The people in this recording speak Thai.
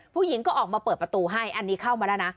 ผู้หญิงก็ออกมาเปิดประตูให้อันนี้เข้ามาแล้วนะ